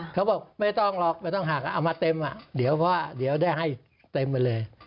เขาบอกไม่ต้องหากเอามาเต็มเดี๋ยวได้ให้เต็มไปเลย